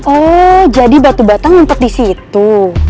oh jadi batu bata ngumpet di situ